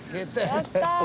やったー！